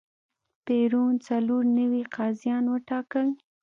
پېرون څلور نوي قاضیان وټاکل.